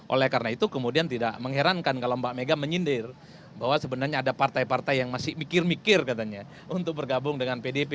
oleh karena itu kemudian tidak mengherankan kalau mbak mega menyindir bahwa sebenarnya ada partai partai yang masih mikir mikir katanya untuk bergabung dengan pdip